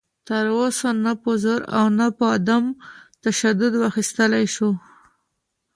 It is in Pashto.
تر اوسه نه په زور او نه په عدم تشدد واخیستلی شو